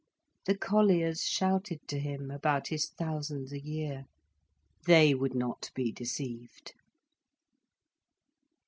The colliers shouted to him about his thousands a year. They would not be deceived.